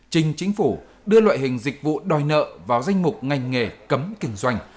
trình chính phủ đưa loại hình dịch vụ đòi nợ vào danh mục ngành nghề cấm kinh doanh